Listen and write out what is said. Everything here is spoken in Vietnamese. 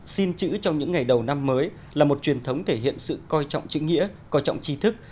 xin chữ trong những ngày đầu năm mới là một truyền thống thể hiện sự coi trọng chính nghĩa coi trọng tri thức